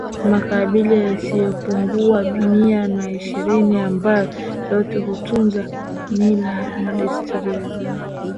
Makabila yasiyopungua Mia na ishirini ambayo yote hutunza mila na desturi zao